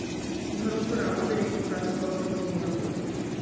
ইহার উত্তরে আমাদের একটি প্রাচীন গল্পের কথা মনে পড়ে।